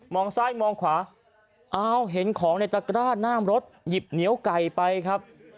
ซ้ายมองขวาอ้าวเห็นของในตะกร้าหน้ามรถหยิบเหนียวไก่ไปครับ